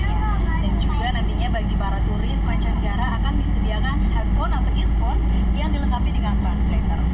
dan juga nantinya bagi para turis pencar negara akan disediakan headphone atau earphone yang dilengkapi dengan translator